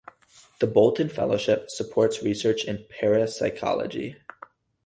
The Bolton Fellowship supports research in parapsychology.